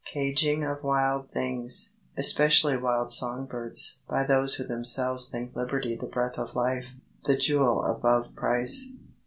Caging of wild things, especially wild song birds, by those who themselves think liberty the breath of life, the jewel above price.